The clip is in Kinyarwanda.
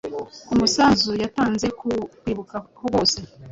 ku musanzu yatanze ku kwibuka bose.